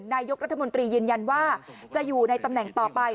นายกรัฐมนตรียืนยันว่าจะอยู่ในตำแหน่งต่อไป